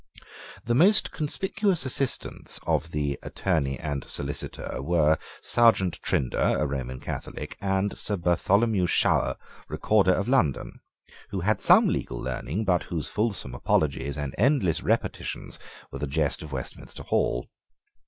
The most conspicuous assistants of the Attorney and Solicitor were Serjeant Trinder, a Roman Catholic, and Sir Bartholomew Shower, Recorder of London, who had some legal learning, but whose fulsome apologies and endless repetitions were the jest of Westminster Hall.